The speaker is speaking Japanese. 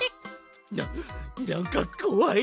ななんかこわい！